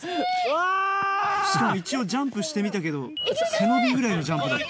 しかも一応ジャンプしてみたけど背伸びぐらいのジャンプだった。